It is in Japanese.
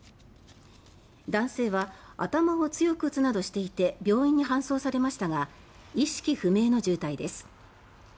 男性は頭を強く打つなどしていて病院に搬送されましたが意識不明の重体です。